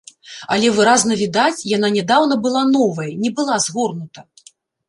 Але выразна відаць, яна нядаўна была новая, не была згорнута.